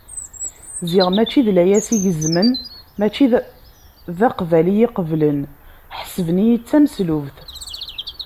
Ziɣ mačči d layas i gezmen, mačči d aqbal iyi-qeblen, ḥesben-iyi d tameslubt.